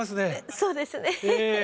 そうですね。